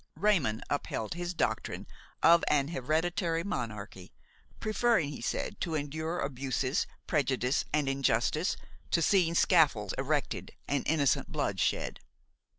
Raymon upheld his doctrine of an hereditary monarchy, preferring, he said, to endure abuses, prejudice and injustice, to seeing scaffolds erected and innocent blood shed.